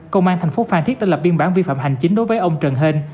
công an thành phố phan thiết đã lập biên bản vi phạm hành chính đối với ông trần hên